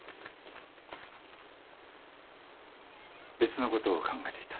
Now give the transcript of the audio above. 別のことを考えていた。